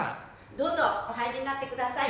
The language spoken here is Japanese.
どうぞお入りになって下さい。